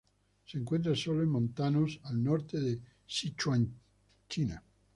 Se encuentra sólo en montanos al norte de Sichuan, China.